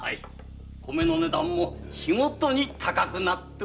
米の値段も日ごとに高くなっております。